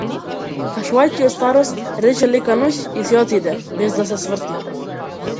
Кашлајќи од старост, рече лека ноќ и си отиде, без да се сврти.